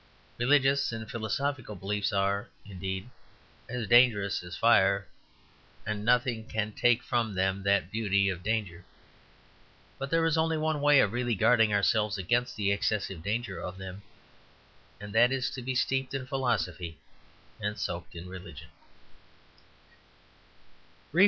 Religious and philosophical beliefs are, indeed, as dangerous as fire, and nothing can take from them that beauty of danger. But there is only one way of really guarding ourselves against the excessive danger of them, and that is to be steeped in philosophy and soaked in religion.